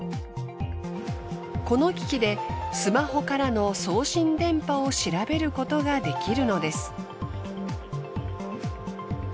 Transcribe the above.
この機器でスマホからの送信電波を調べることができるのです。